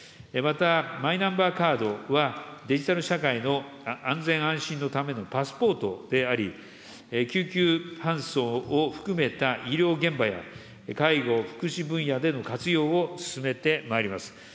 また、マイナンバーカードは、デジタル社会の安全安心のためのパスポートであり、救急搬送を含めた医療現場や、介護・福祉分野での活用を進めてまいります。